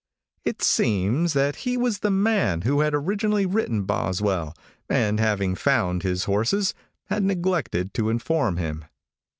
It seems that he was the man who had originally written Boswell, and having found his horses he had neglected to inform him.